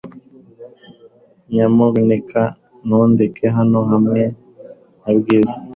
Nyamuneka ntundeke hano hamwe na Bwiza .